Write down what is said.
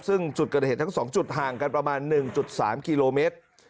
ซึ่งจุดเกิดเหตุทั้ง๒จุดห่างกันประมาณ๑๓กิโลเมตร